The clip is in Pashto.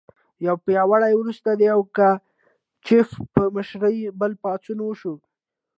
یوه پیړۍ وروسته د یوګاچف په مشرۍ بل پاڅون وشو.